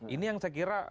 ini yang saya kira